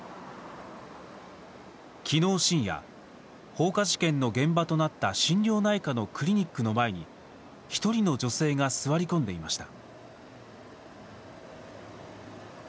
きのう深夜放火事件の現場となった心療内科のクリニックの前に１人の女性が座り込んでいました。